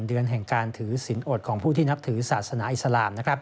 เดือนแห่งการถือสินอดของผู้ที่นับถือศาสนาอิสลาม